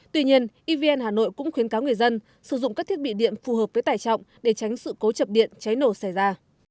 tuy nhiên evn hà nội cũng khuyến cáo người dân sử dụng các thiết bị điện phù hợp với tải trọng để tránh sự cố chập điện cháy nổ xảy ra